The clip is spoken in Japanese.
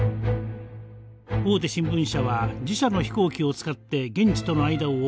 大手新聞社は自社の飛行機を使って現地との間を往復。